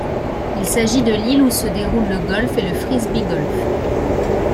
Il s'agit de l'île où se déroule le golf et le frisbee golf.